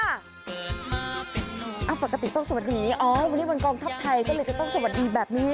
ปกติต้องสวัสดีอ๋อวันนี้วันกองทัพไทยก็เลยจะต้องสวัสดีแบบนี้